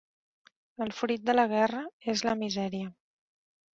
El fruit de la guerra és la misèria.